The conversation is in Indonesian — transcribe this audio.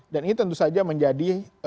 dan ini tentu saja menjadi